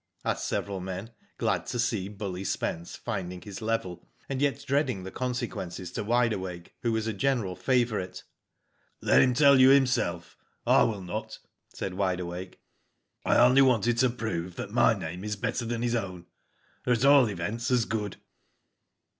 asked several men, glad to see bully Spence finding his level, and yet dreading the consequences to Wide Awake, who was a general favourite. "Let him tell you himself, I will not," said Wide Awake. "I only wanted to prove that my name is better than his own, or at all events as good."